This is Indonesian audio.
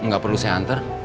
gak perlu saya antar